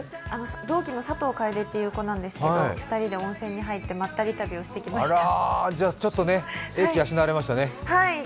動機の佐藤楓っていう子だったんですけど２人で温泉に入ってまったり旅に行ってきました。